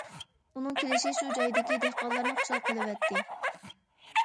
ئۇنىڭ كېلىشى شۇ جايدىكى دېھقانلارنى خۇشال قىلىۋەتتى.